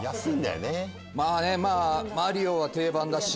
まぁね『マリオ』は定番だし。